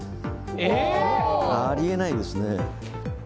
あり得ないですね。